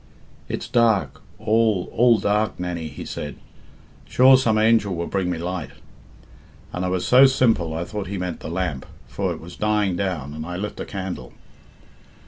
'It's dark, all, all dark, Nannie,' he said, 'sure some angel will bring me light,' and I was so simple I thought he meant the lamp, for it was dying down, and I lit a candle."